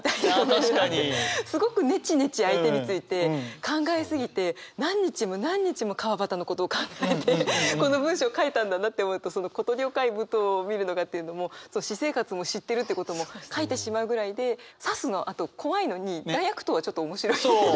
すごくネチネチ相手について考え過ぎて何日も何日も川端のことを考えてこの文章書いたんだなって思うとその「小鳥を飼い舞踏を見るのが」というのも私生活も知ってるってことも書いてしまうぐらいで「刺す」のあと怖いのに「大悪党」はちょっと面白い。